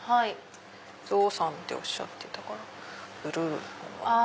ゾウさんっておっしゃってたからブルーのものとか。